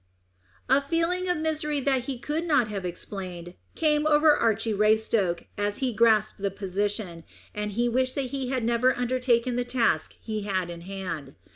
A feeling of misery that he could not have explained came over Archy Raystoke as he grasped the position, and he wished that he had never undertaken the task he had in hand.